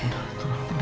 udah tenang tenang